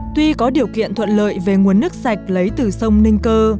tuy có điều kiện thuận lợi về nguồn nước sạch lấy từ sông ninh cơ